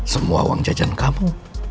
semua uang jajan kamu